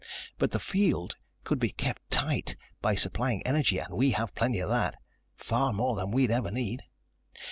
But the field could be kept tight by supplying energy and we have plenty of that ... far more than we'd ever need.